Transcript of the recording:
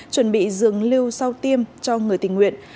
chuẩn bị dường lưu sau tiêm cho người tình nguyện